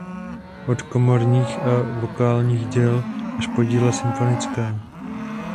Od komorních a vokálních děl až po díla symfonická.